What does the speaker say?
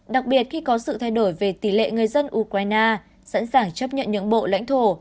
đặc biệt khi có sự thay đổi về tỷ lệ người dân ukraine sẵn sàng chấp nhận những bộ lãnh thổ